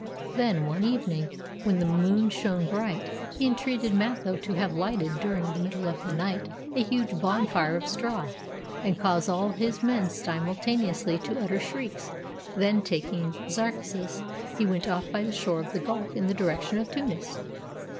Then one evening, when the moon shone bright, he entreated Mitho to have lighted during the middle of the night a huge bonfire of straw, and cause all his men simulta neously to utter shrieks; then taking Zarxas, he went off by the shore of the gulf in the direction of Tunis.